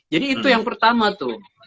jadi itu yang pertama tuh